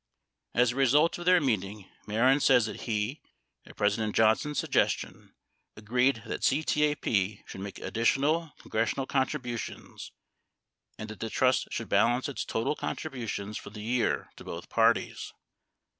91 As a result of their meeting, Mehren says that he, at President J ohn son's suggestion, agreed that CTAPE should make additional con gressional contributions and that the trust should balance its total contributions for the year to both parties.